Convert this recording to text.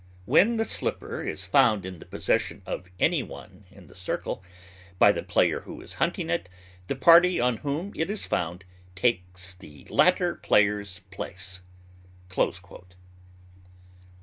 When the slipper is found in the possession of any one in the circle, by the player who is hunting it, the party on whom it is found takes the latter player's place."